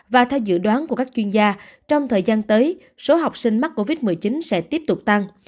và theo dự đoán của các chuyên gia trong thời gian tới số học sinh mắc covid một mươi chín sẽ tiếp tục tăng